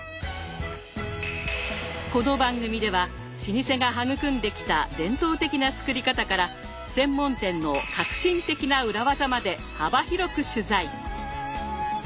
この番組では老舗が育んできた伝統的な作り方から専門店の革新的な裏技まで幅広く取材。